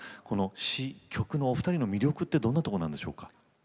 この詞・曲のお二人の魅力ってどんなところなんでしょうか。